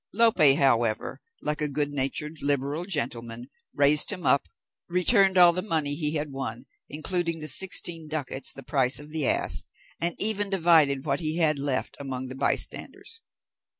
Lope, however, like a good natured, liberal gentleman, raised him up, returned all the money he had won, including the sixteen ducats the price of the ass, and even divided what he had left among the bystanders.